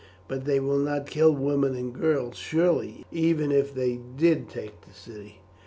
"But they will not kill women and girls surely, even if they did take the city?"